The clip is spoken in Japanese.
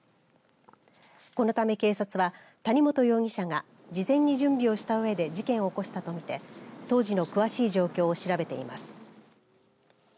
このため、警察は谷本容疑者が事前に準備をしたうえで事件を起こしたと見て当時の詳しい状況を調べています。